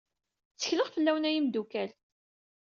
Tteklaɣ fell-awen ay imdukal.